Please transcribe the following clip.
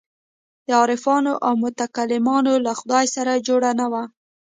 د عارفانو او متکلمانو له خدای سره جوړ نه وو.